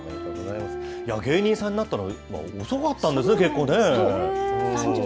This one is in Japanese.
芸人さんになったの遅かったんですね、結構ね。